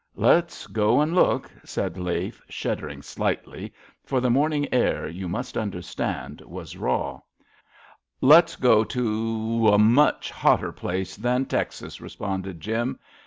''Let's go and look," said Lafe, shuddering slightly, for the morning, air, you must understand, was raw ^* Let's go to — a much hotter place than Texas," responded Jim.